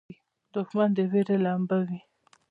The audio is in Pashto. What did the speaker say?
دښمن د وېرې لمبه وي